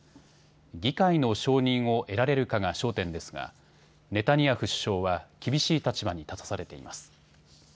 議会の承認を得られるかが焦点ですがネタニヤフ首相は厳しい立場に立たされています。